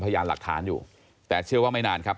พยานหลักฐานอยู่แต่เชื่อว่าไม่นานครับ